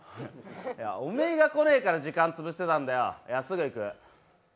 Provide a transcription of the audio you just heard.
おめえが来ねえから時間潰してたんだよ、すぐ行く。